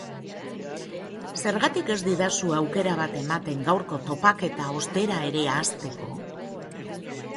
Zergatik ez didazu aukera bat ematen gaurko topaketa ostera ere hasteko?